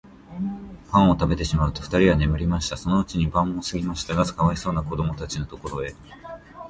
パンをたべてしまうと、ふたりは眠りました。そのうちに晩もすぎましたが、かわいそうなこどもたちのところへ、